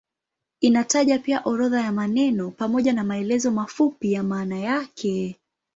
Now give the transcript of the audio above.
Inataja pia orodha ya maneno pamoja na maelezo mafupi ya maana yake.